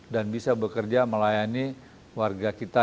dan bisa bekerja melayani warga kita